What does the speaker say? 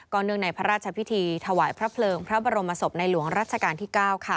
เนื่องในพระราชพิธีถวายพระเพลิงพระบรมศพในหลวงรัชกาลที่๙ค่ะ